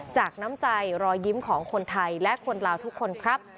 น้ำใจรอยยิ้มของคนไทยและคนลาวทุกคนครับ